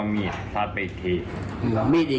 มีดสัดไปอีกที